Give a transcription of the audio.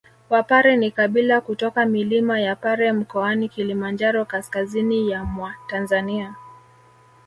Wapare ni kabila kutoka milima ya Pare Mkoani Kilimanjaro kaskazini ya mwa Tanzania